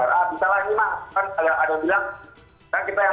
kan kita yang tau lah barang kita gimana gitu ya